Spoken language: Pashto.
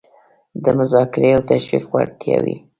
د مذاکرې او تشویق وړتیاوې